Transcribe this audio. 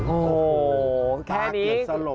โอ้โฮแค่นี้ตาเกล็ดสลบ